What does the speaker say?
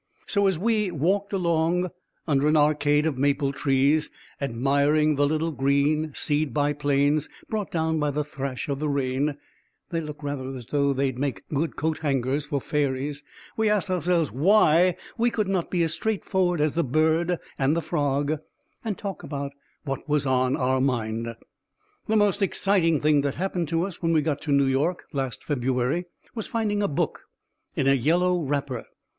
So, as we walked along under an arcade of maple trees, admiring the little green seed biplanes brought down by the thrash of the rain they look rather as though they would make good coathangers for fairies we asked ourself why we could not be as straightforward as the bird and the frog, and talk about what was in our mind. The most exciting thing that happened to us when we got to New York last February was finding a book in a yellow wrapper.